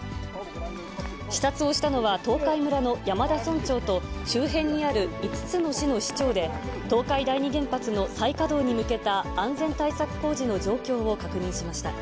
視察をしたのは、東海村の山田村長と、周辺にある５つの市の市長で、東海第二原発の再稼働に向けた安全対策工事の状況を確認しました。